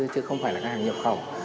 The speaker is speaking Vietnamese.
chứ không phải là các hàng nhập khẩu